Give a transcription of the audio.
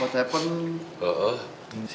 hah apa yang terjadi